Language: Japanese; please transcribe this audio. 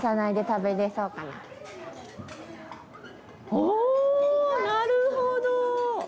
おおなるほど！